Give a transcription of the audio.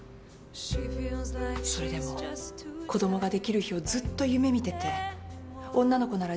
それでも子供ができる日をずっと夢見てて女の子なら「樹里」